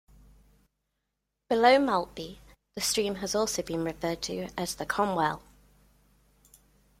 Below Maltby, the stream has also been referred to as the 'Comwell'.